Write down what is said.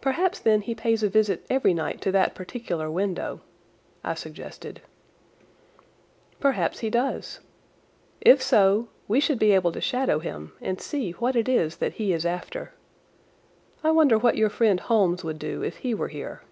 "Perhaps then he pays a visit every night to that particular window," I suggested. "Perhaps he does. If so, we should be able to shadow him and see what it is that he is after. I wonder what your friend Holmes would do if he were here."